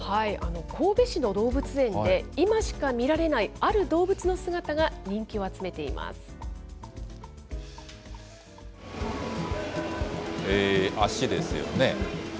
神戸市の動物園で、今しか見られないある動物の姿が、人気を足ですよね。